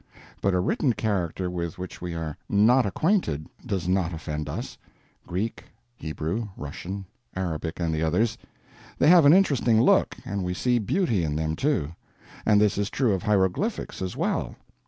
But a written character with which we are not acquainted does not offend us—Greek, Hebrew, Russian, Arabic, and the others—they have an interesting look, and we see beauty in them, too. And this is true of hieroglyphics, as well.